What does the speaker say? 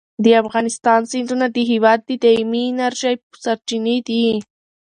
د افغانستان سیندونه د هېواد د دایمي انرژۍ سرچینې دي.